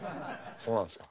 そうなんですか。